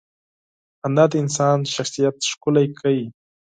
• خندا د انسان شخصیت ښکلې کوي.